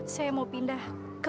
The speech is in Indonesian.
saya mau pindah